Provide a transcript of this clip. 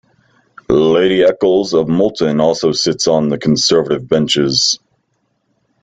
Lady Eccles of Moulton also sits on the Conservative benches.